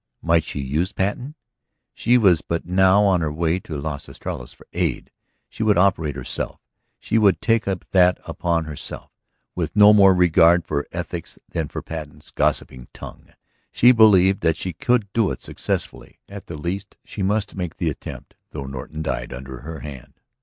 Might she use Patten? She was but now on her way to Las Estrellas for aid. She would operate herself, she would take that upon herself, with no more regard for ethics than for Patten's gossiping tongue. She believed that she could do it successfully; at the least she must make the attempt, though Norton died under her hand.